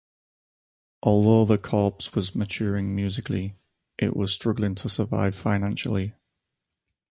Although the corps was maturing musically, it was struggling to survive financially.